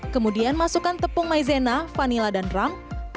kemudian masukkan tepung maizena vanila dan ram